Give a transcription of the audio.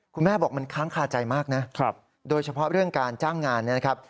คุณแม่บอกมันค้างคาใจมากนะโดยเฉพาะเรื่องการจ้างงานเนี่ยนะครับ